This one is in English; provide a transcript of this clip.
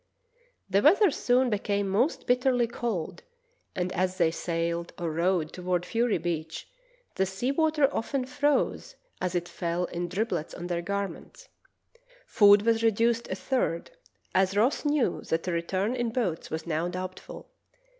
The weather soon became most bitterly cold, and as they sailed or rowed toward Fury Beach the sea water often froze as it fell in driblets on their garments. Food was reduced a third, as Ross knew that a return in boats was now doubtful.